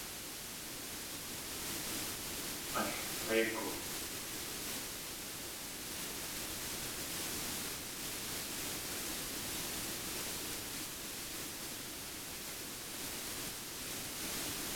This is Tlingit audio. Aldléigu.